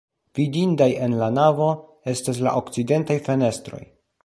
Vidindaj en la navo estas la okcidentaj fenestroj.